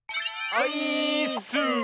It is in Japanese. オイーッス！